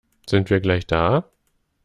Sind wir gleich da?